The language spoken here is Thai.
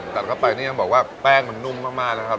ตัดเข้าไปนี่ยังบอกว่าแป้งมันนุ่มมากนะครับ